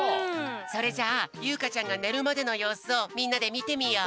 それじゃあゆうかちゃんがねるまでのようすをみんなでみてみよう。